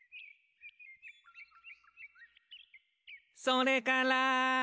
「それから」